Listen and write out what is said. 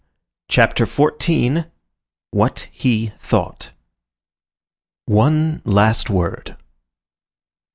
CHAPTER XIV—WHAT HE THOUGHT One last word.